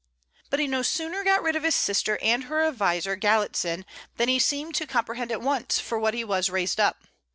But he no sooner got rid of his sister and her adviser, Galitzin, than he seemed to comprehend at once for what he was raised up.